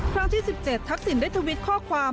ครั้งที่๑๗ทักษิณได้ทวิตข้อความ